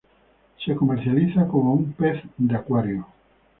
Se comercializa como pez de acuario.